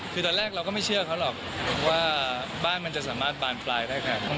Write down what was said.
คือตอนแรกเราก็ไม่เชื่อเขาหรอกว่าบ้านมันจะสามารถบานปลายได้ขนาดนั้น